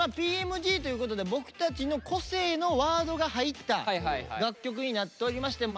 「Ｐ．Ｍ．Ｇ．」ということで僕たちの個性のワードが入った楽曲になっておりまして真ん中のほうかな？